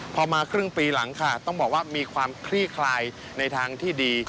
พอมาครึ่งปีหลังค่ะต้องบอกว่ามีความคลี่คลายในทางที่ดี